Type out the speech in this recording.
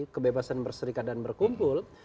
kebebasan berserikat dan berkumpul